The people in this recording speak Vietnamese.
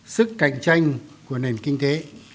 sức cạnh tranh của nền kinh tế